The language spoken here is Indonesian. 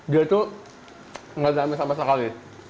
dia itu nggak ada amis sama sekali